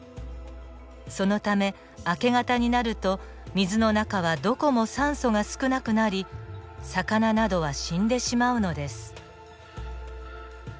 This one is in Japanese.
そのため明け方になると水の中はどこも酸素が少なくなり魚などは死んでしまうのです。